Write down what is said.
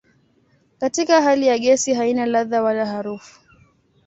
Katika hali ya gesi haina ladha wala harufu.